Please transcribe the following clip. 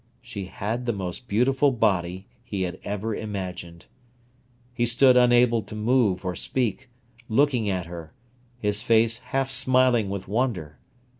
She had the most beautiful body he had ever imagined. He stood unable to move or speak, looking at her, his face half smiling with wonder.